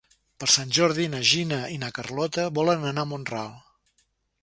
Per Sant Jordi na Gina i na Carlota volen anar a Mont-ral.